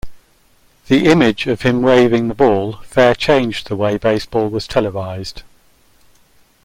The image of him waving the ball fair changed the way baseball was televised.